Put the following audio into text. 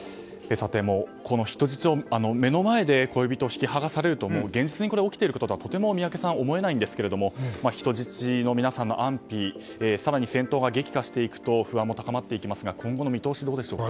人質を目の前で恋人と引き剥がされると現実に起きていることとは宮家さんとても思えないんですが人質の皆さんの安否更に戦闘が激化していくと不安も高まっていきますが今後の見通しどうでしょうか。